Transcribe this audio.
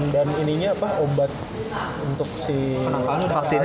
dan ininya apa obat untuk si